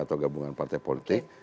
atau gabungan partai politik